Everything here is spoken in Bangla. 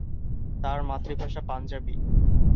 তার মাতৃভাষা পাঞ্জাবি।